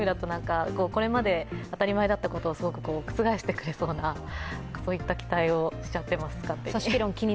これまで当たり前だったことをすごく覆してくれそうな期待をしています、勝手に。